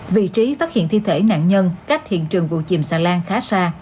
vị trí phát hiện thi thể nạn nhân cách hiện trường vụ chìm xà lan khá xa